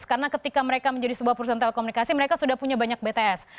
karena ketika mereka menjadi sebuah perusahaan telekomunikasi mereka sudah punya banyak bts